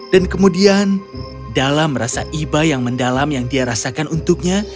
dan kemudian dalam rasa iba yang mendalam yang dia rasakan untuknya